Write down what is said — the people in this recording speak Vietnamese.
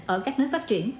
ở các nơi phát triển